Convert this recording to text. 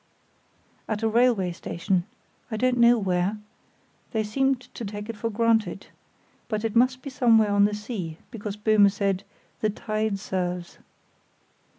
"At a railway station! I don't know where. They seemed to take it for granted. But it must be somewhere on the sea, because Böhme said, 'the tide serves.